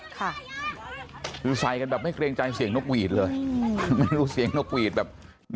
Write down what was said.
ค่ะคือใส่กันแบบไม่เกรงใจเสียงนกหวีดเลยไม่รู้เสียงนกหวีดแบบ